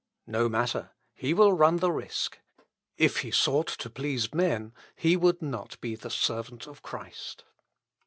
No matter; he will run the risk. If he sought to please men, he would not be the servant of Christ.